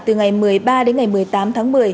từ ngày một mươi ba đến ngày một mươi tám tháng một mươi